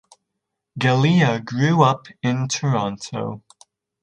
Galea grew up in Toronto.